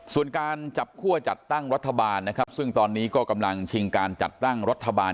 ส่วนการจับคั่วจัดตั้งรัฐบาลนะครับซึ่งตอนนี้ก็กำลังชิงการจัดตั้งรัฐบาล